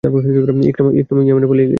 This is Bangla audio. ইকরামা ইয়ামেনে পালিয়ে গেছে।